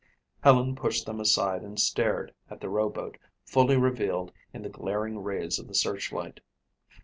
Helen pushed them aside and stared at the rowboat, fully revealed in the glaring rays of the searchlight.